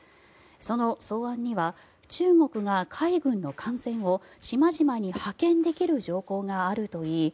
その草案には中国が海軍の艦船を島々に派遣できる条項があるといい